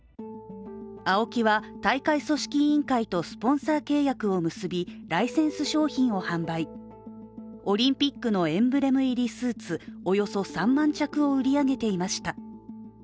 ＡＯＫＩは大会組織委員会とスポンサー契約を結び、ライセンス商品を販売オリンピックのエンブレム入りスーツ、およそ３万着を売り上げていました。